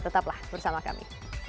tetaplah bersama kami